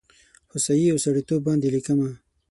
هوسايي او سړیتوب باندې لیکمه